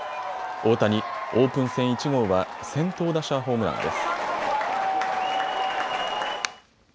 大谷、オープン戦１号は先頭打者ホームランです。